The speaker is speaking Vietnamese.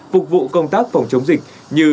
phục vụ công tác phòng chống dịch như bảy bảy